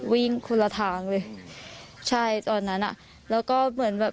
วิ่งคนละทางเลยใช่ตอนนั้นอ่ะแล้วก็เหมือนแบบ